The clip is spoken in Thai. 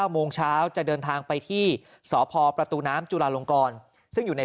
โมงเช้าจะเดินทางไปที่สพประตูน้ำจุลาลงกรซึ่งอยู่ใน